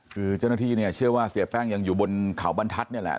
คือเจ้าหน้าที่เนี่ยเชื่อว่าเสียแป้งยังอยู่บนเขาบรรทัศน์นี่แหละ